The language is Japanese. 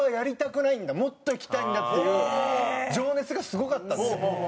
もっといきたいんだ！っていう情熱がすごかったんですよ。